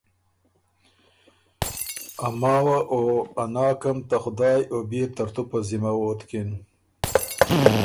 ا ماوه او ناکم ته خدایٛ او بيې ترتُو پۀ ذِمه ووتکِن“